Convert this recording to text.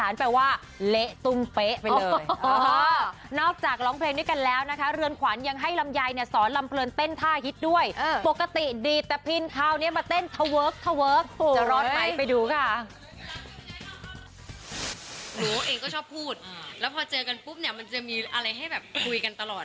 แล้วพอเจอกันปุ๊บเนี่ยมันจะมีอะไรให้แบบคุยกันตลอด